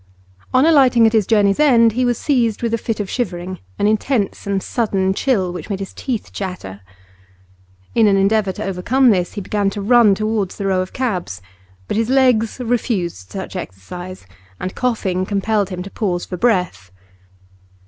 On alighting at his journey's end he was seized with a fit of shivering, an intense and sudden chill which made his teeth chatter. In an endeavour to overcome this he began to run towards the row of cabs, but his legs refused such exercise, and coughing compelled him to pause for breath.